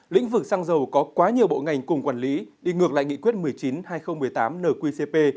lĩnh vực xăng dầu có quá nhiều bộ ngành cùng quản lý đi ngược lại nghị quyết một mươi chín hai nghìn một mươi tám nqcp